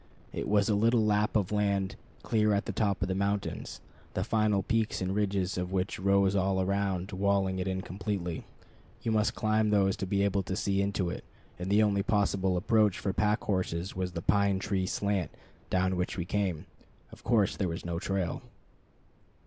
It was a little lap of land clear at the top of the mountains, the final peaks and ridges of which rose all around, walling it in completely. You must climb these to be able to see into it, and the only possible approach for pack horses was the pine tree slant, down which we came. Of course there was no trail.